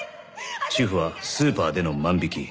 主婦はスーパーでの万引き。